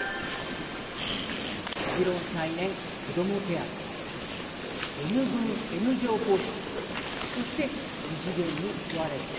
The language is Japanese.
議論再燃、こども手当Ｎ分Ｎ乗方式とはそして異次元に問われるもの